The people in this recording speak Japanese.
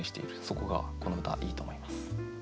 そこがこの歌いいと思います。